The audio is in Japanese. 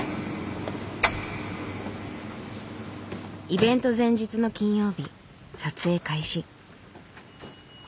イベント前日の金曜日撮影開始。